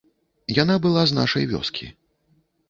Яна была з нашай вёскі.